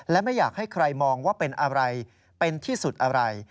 และไม่อยากให้ใครมองว่าเป็นอะไรเป็นที่สุดอะไร